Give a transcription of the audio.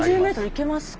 いけますね。